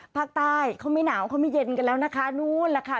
ภาคใต้เขาไม่หนาวเขาไม่เย็นกันแล้วนะคะนู้นแหละค่ะ